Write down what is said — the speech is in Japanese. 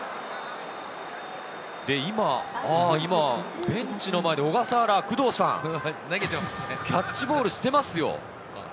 で、今ベンチの前で小笠原、工藤さん、キャッチボールしてますよ。